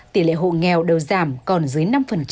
tỷ lệ hộ nghèo đều giảm còn dưới năm